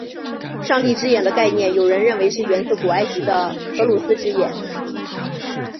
上帝之眼的概念有人认为是源自古埃及的荷鲁斯之眼。